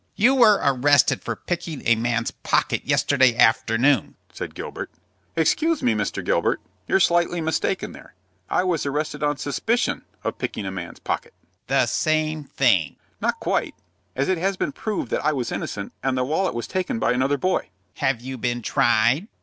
"You were arrested for picking a man's pocket yesterday afternoon," said Gilbert. "Excuse me, Mr. Gilbert, you're slightly mistaken there. I was arrested on suspicion of picking a man's pocket." "The same thing." "Not quite, as it has been proved that I was innocent, and the wallet was taken by another boy." "Have you been tried?"